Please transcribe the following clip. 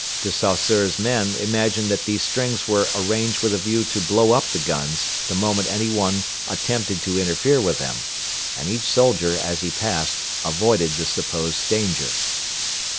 De Saussure's men imagined that these strings were arranged with a view to blow up the guns the moment any one attempted to interfere with them, and each soldier, as he passed, avoided the supposed danger.